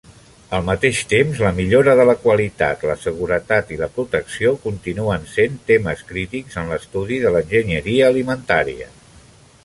Al mateix temps, la millora de la qualitat, la seguretat i la protecció continuen sent temes crítics en l'estudi de l'enginyeria alimentària.